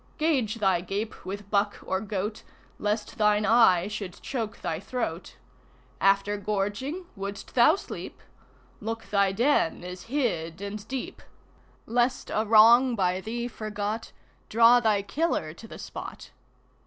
Gauge thy gape with buck or goat, Lest thine eye should choke thy throat, After gorging, wouldst thou sleep? Look thy den is hid and deep, Lest a wrong, by thee forgot, Draw thy killer to the spot.